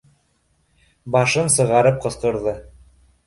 Башын сығарып ҡысҡырҙы: